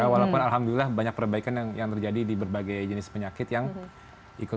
walaupun alhamdulillah banyak perbaikan yang terjadi di berbagai jenis penyakit yang ikut